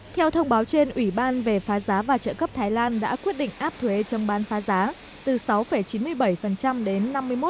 theo thông báo trên ủy ban về phá giá và trợ cấp thái lan đã quyết định áp thuê chống bán phá giá từ sáu chín mươi bảy đến năm mươi một sáu mươi một